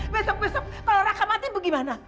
besok besok kalau raka mati bagaimana